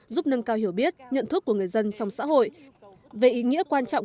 giúp nâng cao hiểu biết nhận thức của người dân trong xã hội về ý nghĩa quan trọng